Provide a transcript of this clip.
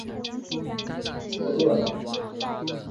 我饿了